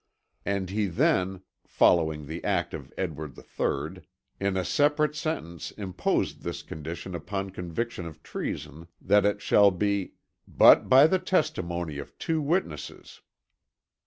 And he then (following the Act of Edward III), in a separate sentence imposed this condition upon conviction of treason that it shall be "but by the testimony of two witnesses."